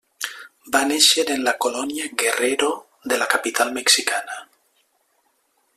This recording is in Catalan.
Va néixer en la colònia Guerrero de la capital mexicana.